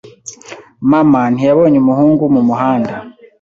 Mama ntiyabonye umuhungu mu muhanda.